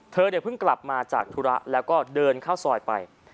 เธอเนี่ยเพิ่งกลับมาจากธุระแล้วก็เดินเข้าซอยไป